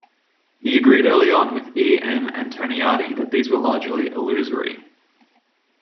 He agreed early on with E. M. Antoniadi that these were largely illusory.